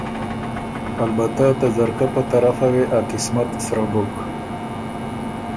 البته ته ځرکه په طرفه وې ا قسمت سره بُک۔